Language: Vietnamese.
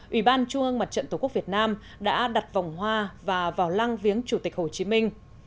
ủy ban trung ương mặt trận tổ quốc việt nam đã đặt vòng hoa và vào lăng viếng chủ tịch hồ chí minh